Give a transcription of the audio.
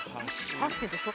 箸でしょう。